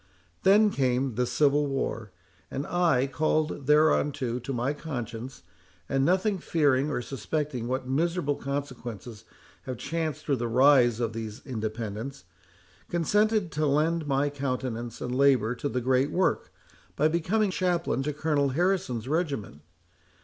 Then came the Civil War, and I—called thereunto by my conscience, and nothing fearing or suspecting what miserable consequences have chanced through the rise of these Independents—consented to lend my countenance and labour to the great work, by becoming chaplain to Colonel Harrison's regiment.